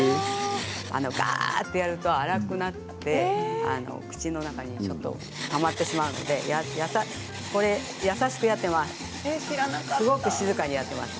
がーっとやると粗くなって口の中にちょっとたまってしまうので優しくやっています。